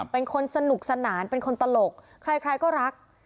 เป็นคนสนุกสนานเป็นคนตลกใครก็รัก